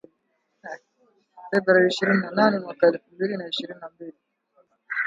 Februari ishirini na nane mwaka elfu mbili na ishirini na mbili